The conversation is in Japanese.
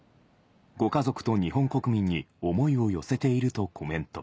ご家族と日本国民に思いを寄せているとコメント。